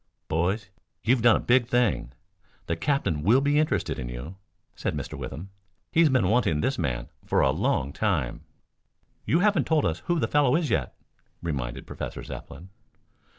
"Boys, you've done a big thing. The captain will be interested in you," said Mr. Withem. "He's been wanting this man for a long time." "You haven't told us who the fellow is, yet," reminded Professor Zepplin.